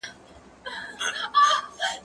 زه به اوږده موده ږغ اورېدلی وم،